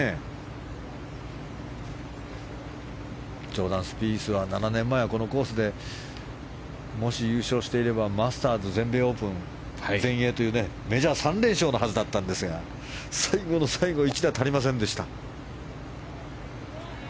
ジョーダン・スピースは７年前もし優勝していればマスターズ全米オープン、全英とメジャー３連勝のはずだったんですが最後の最後１打足りませんでした。